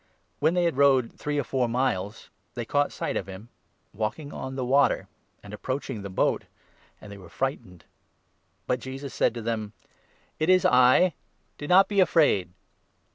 When they had rowed three or four miles, they caught sight of him walking on the water and approaching the boat, and they were frightened. But Jesus said to them :" It is I ; do not be afraid